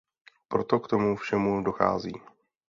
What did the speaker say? Proto k tomu všemu dochází.